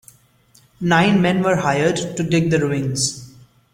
Nine men were hired to dig the ruins.